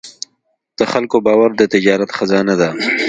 د خلکو باور د تجارت خزانه ده.